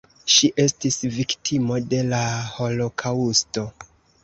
Ŝi estis viktimo de la holokaŭsto.